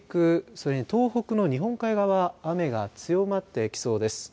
それに東北の日本海側雨が強まってきそうです。